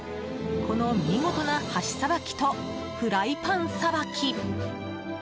この見事な箸さばきとフライパンさばき。